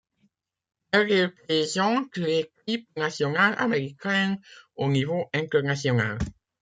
Elle représente l'équipe nationale américaine au niveau international.